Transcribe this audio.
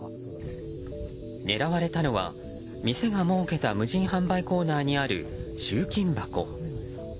狙われたのは、店が設けた無人販売コーナーにある集金箱。